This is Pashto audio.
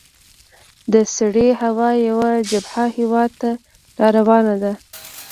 د سړې هوا یوه جبهه هیواد ته را روانه ده.